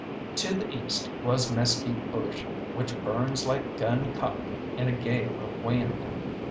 To the east was mesquite bush, which burns like gun cotton in a gale of wind.